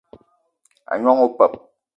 A gnong opeup